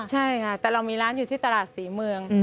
ใช่ค่ะแต่เรามีร้านอยู่ที่ตลาดศรีเมือง